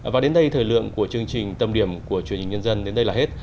và đến đây thời lượng của chương trình tâm điểm của chuyên nhân dân đến đây là hết